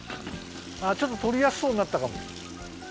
ちょっととりやすそうになったかも。